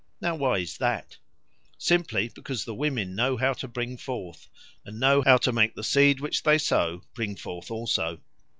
Now why is that? Simply because the women know how to bring forth, and know how to make the seed which they sow bring forth also.